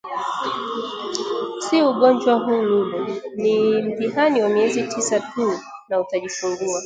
si ugonjwa huu Lulu ni mtihani wa miezi tisa tu na utajifungua